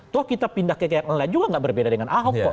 toh kita pindah ke yang lain juga nggak berbeda dengan ahok kok